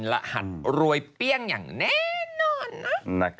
รหัสรวยเปรี้ยงอย่างแน่นอนนะ